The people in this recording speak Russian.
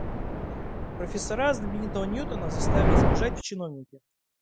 Профессора знаменитого Ньютона заставили сбежать в чиновники.